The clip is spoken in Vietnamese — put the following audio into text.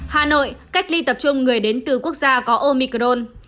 hà nội cách ly tập trung người đến từ quốc gia có omicron